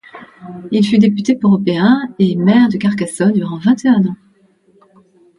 Il fut député européen et maire de Carcassonne durant vingt-et-un ans.